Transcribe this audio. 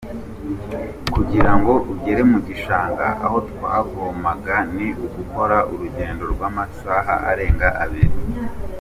Kugira ngo ugere mu gishanga aho twavomaga ni ugukora urugendo rw’amasaha arenga abiri.